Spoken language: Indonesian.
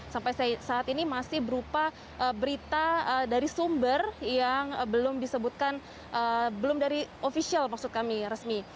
sampai saat ini masih berupa berita dari sumber yang belum disebutkan belum dari ofisial maksud kami resmi